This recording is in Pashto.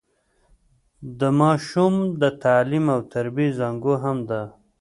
د ماشوم د تعليم او تربيې زانګو هم ده.